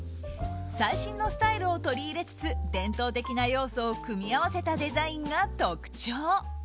最新のスタイルを取り入れつつ伝統的な要素を組み合わせたデザインが特徴。